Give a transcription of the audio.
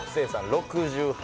６８！？